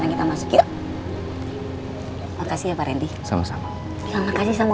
gila sebagai pemain reach